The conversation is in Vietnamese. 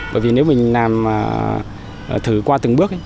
bởi vì nếu mình làm thử qua từng bước ấy